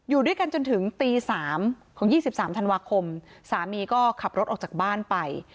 อยู่ด้วยกันจนถึงตี๓ของ๒๓ธันวาคมสามีก็ขับรถออกจากบ้านไป